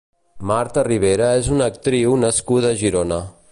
Marta Ribera és una actriu nascuda a Girona.